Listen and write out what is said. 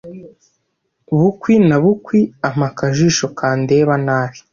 bukwi na bukwi ampa akajisho kandeba nabi